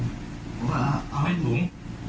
อันนี้คือข้อเท็จจริง